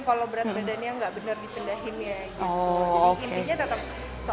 kalau berat badannya nggak benar dipindahinnya gitu